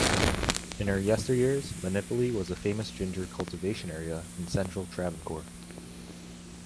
In her yesteryears, Monippally was a famous ginger cultivation area in Central Travancore.